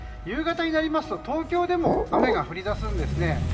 夕方になると東京でも雨が降り出すんですね。